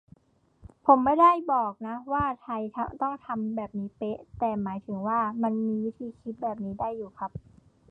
ผมไม่ได้บอกนะว่าไทยต้องทำแบบนี้เป๊ะ แต่หมายถึงว่า มันมีวิธีคิดแบบนี้ได้อยู่ครับ